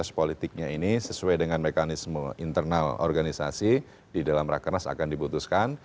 proses politiknya ini sesuai dengan mekanisme internal organisasi di dalam rakernas akan dibutuhkan